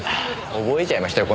覚えちゃいましたよ